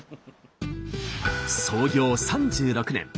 創業３６年。